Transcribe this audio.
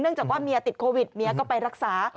เนื่องจากว่าเมียติดโควิดเมียก็ไปรักษาอ๋อ